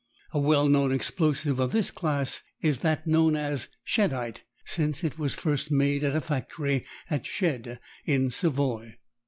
A well known explosive of this class is that known as cheddite, since it was first made at a factory at Chedde, in Savoy.